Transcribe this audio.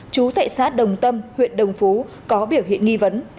chú tại xã đồng tâm huyện đồng phú có biểu hiện nghi vấn